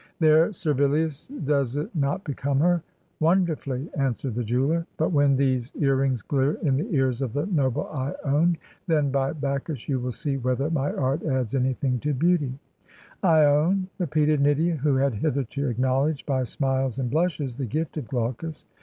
There, Servillius, does it not become her?' 'Wonder fully!' answered the jeweller. ... 'But when these ear rings glitter in the ears of the noble lone, then, by Bacchus I you will see whether my art adds anything to beauty!' 'lone?' repeated Nydia, who had hitherto acknowledged by smiles and blushes the gift of Glaucus.